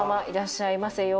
いらっしゃいませ。